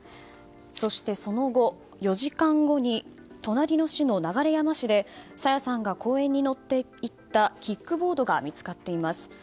そして、その後４時間後に隣の市の流山市で朝芽さんが公園に乗っていったキックボードが見つかっています。